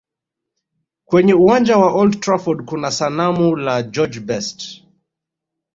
Kwenye uwanja wa old trafford kuna sanamu la george best